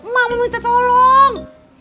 mah mau minta tolong